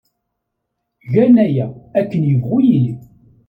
Gan aya, akken yebɣu yili.